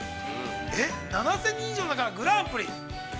７０００人以上の中からグランプリ。